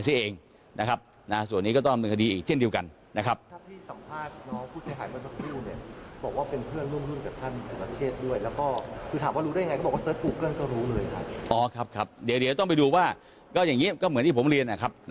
รีนายนี้เป็นเจ้าของจริงหรือเปล่าค่ะ